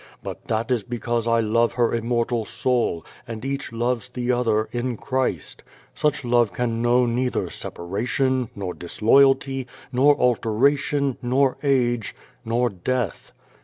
But that is because I love her immortal soul, and each loves the other in Christ. Such love can know neither separation, nor dis loyalty, nor alteration, nor age, nor death.